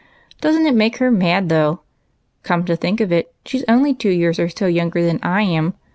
Don't it make her mad, though? Come to think of it, she's only two years or so younger than I am.